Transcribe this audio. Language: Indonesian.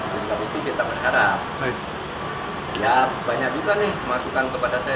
oleh sebab itu kita berharap ya banyak juga nih masukan kepada saya